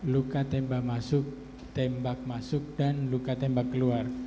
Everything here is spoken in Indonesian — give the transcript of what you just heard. luka tembak masuk tembak masuk dan luka tembak keluar